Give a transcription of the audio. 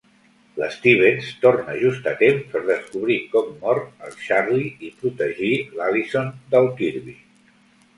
L'Stevens torna just a temps per descobrir com mor el Charlie i protegir l'Alison del Kirby.